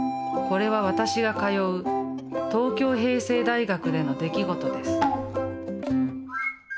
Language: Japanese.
これは私が通う東京平成大学での出来事です。